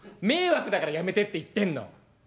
迷惑だからやめてって言ってんの。